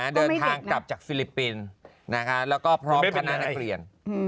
เดินทางกลับจากฟิลิปปินส์แล้วก็พร้อมคณะนักเรียน